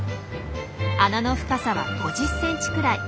穴の深さは５０センチくらい。